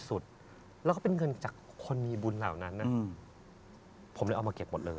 คุณรู้มั้ยเขาหายไปยังไงเพราะว่าคุณปล่อยเขายาวเกินไป